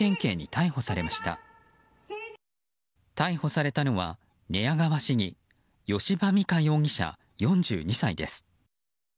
逮捕されたのは、寝屋川市議吉羽美華容疑者、４２歳です。